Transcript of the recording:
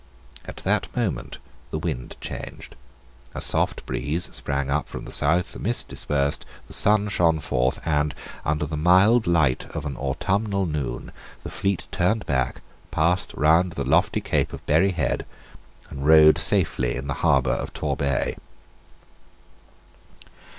At that moment the wind changed: a soft breeze sprang up from the south: the mist dispersed; the sun shone forth and, under the mild light of an autumnal noon, the fleet turned back, passed round the lofty cape of Berry Head, and rode safe in the harbour of Torbay.